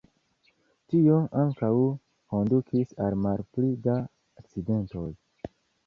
Tio ankaŭ kondukis al malpli da akcidentoj.